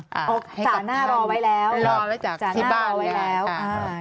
จากหน้ารอไว้แล้วจากหน้ารอไว้แล้ว